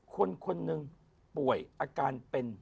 คนคนหนึ่งป่วยอาการเป็น